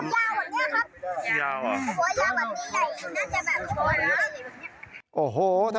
โอ้โหยาวเหรอนี่ใหญ่อีกนักจะแบบ